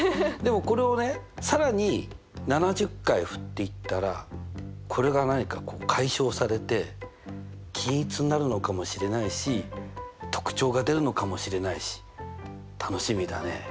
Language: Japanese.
でもこれをね更に７０回振っていったらこれが何か解消されて均一になるのかもしれないし特徴が出るのかもしれないし楽しみだね。